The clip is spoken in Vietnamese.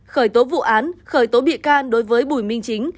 khởi tố vụ án khởi tố bị can đối với bùi minh chính